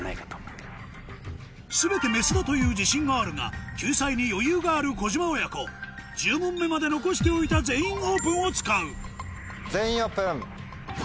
全てメスだという自信があるが救済に余裕がある小島親子１０問目まで残しておいた「全員オープン」を使う全員オープン。